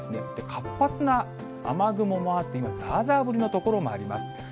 活発な雨雲もあって、今、ざーざー降りの所もあります。